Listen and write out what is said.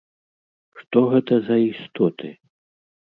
Што гэта за істоты?